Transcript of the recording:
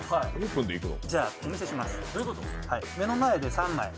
目の前で３枚。